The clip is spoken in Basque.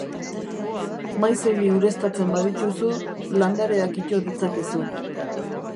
Maizegi ureztatzen badituzu, landareak ito ditzakezu.